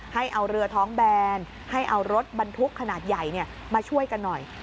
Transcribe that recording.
ให้เอาเรือท้องแบนให้เอารถบรรทุกขนาดใหญ่มาช่วยกันหน่อย